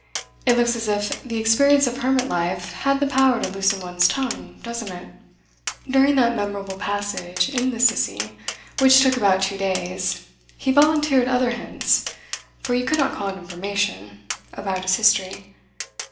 It looks as if the experience of hermit life had the power to loosen one's tongue, doesn't it? During that memorable passage, in the Sissie, which took about two days, he volunteered other hints for you could not call it information about his history.